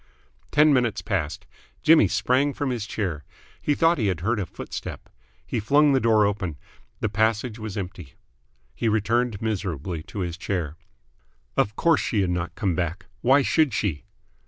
Ten minutes passed. Jimmy sprang from his chair. He thought he had heard a footstep. He flung the door open. The passage was empty. He returned miserably to his chair. Of course she had not come back. Why should she?